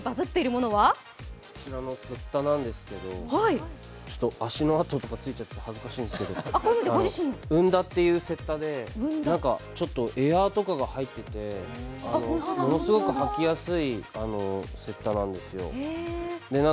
こちらのせったなんですけど、足の跡とかついちゃって恥ずかしいんですけどせったでエアーとかが入ってて、ものすごく履きやすいせったなんですよ。